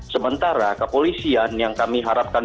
sementara kepolisian yang kami harapkan